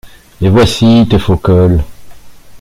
Les voici, tes faux cols !